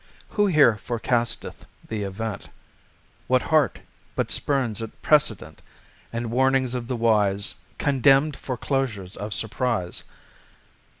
Who here forecasteth the event? What heart but spurns at precedent And warnings of the wise, Contemned foreclosures of surprise?